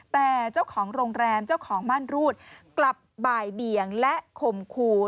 แต่เจ้าของโรงแรมเจ้าของม่านรูดกลับบ่ายเบียงและข่มขู่